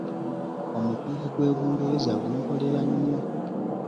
Omupiira gw’e Bungererza gunkolera nnyo.